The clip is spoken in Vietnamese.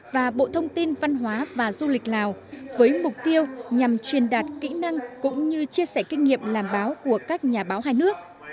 và bộ thông tin văn hóa và du lịch lào với mục tiêu nhằm truyền đạt kỹ năng cũng như chia sẻ kinh nghiệm làm báo của các nhà báo hai nước